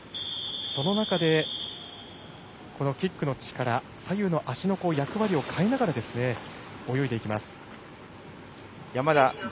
その中でこのキックの力左右の足の役割を変えながら泳いでいきます。